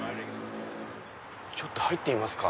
ちょっと入ってみますか。